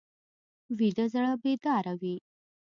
ویده زړه بیداره وي